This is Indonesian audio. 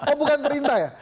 oh bukan perintah ya